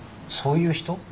そういう人？